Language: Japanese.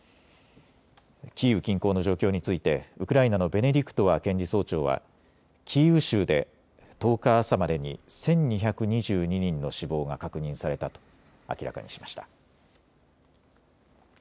キーウ近郊の状況についてウクライナのベネディクトワ検事総長は、キーウ州で、１０日朝までに１２２２人の死亡が確認されたと明らかにしました。